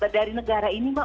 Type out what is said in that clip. dari negara ini mbak